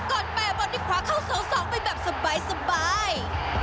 ก่อนแปรบอดที่ขวาเข้าเสาสองไปแบบสบาย